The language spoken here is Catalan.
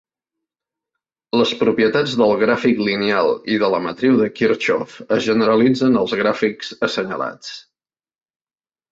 Les propietats del gràfic lineal i de la matriu de Kirchhoff es generalitzen als gràfics assenyalats.